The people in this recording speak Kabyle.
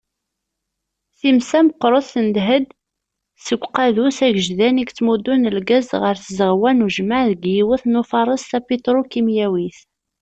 Times-a meqqret, tendeh-d seg uqadus agejdan i yettmuddun lgaz ɣer tzeɣwa n ujmaɛ deg yiwet n ufares tapitrukimyawit.